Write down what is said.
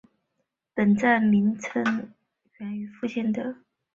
本站名称来源于附近的入笠山的别名铃兰高原。